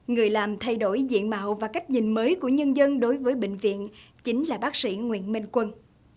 người làm thay đổi diện mạo và cách nhìn mới của nhân dân đối với bệnh viện chính là bác sĩ nguyễn minh quân